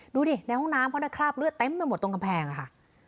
ดูดิในห้องน้ำเขาได้คราบเลือดเต็มไปหมดตรงกำแพงอะค่ะ